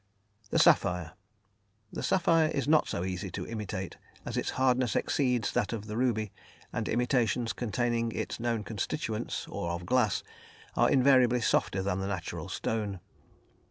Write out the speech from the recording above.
The Sapphire. The Sapphire is not so easy to imitate, as its hardness exceeds that of the ruby, and imitations containing its known constituents, or of glass, are invariably softer than the natural stone.